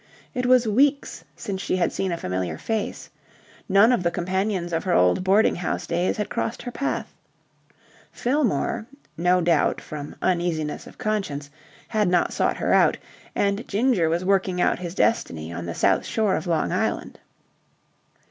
It was weeks since she had seen a familiar face. None of the companions of her old boarding house days had crossed her path. Fillmore, no doubt from uneasiness of conscience, had not sought her out, and Ginger was working out his destiny on the south shore of Long Island.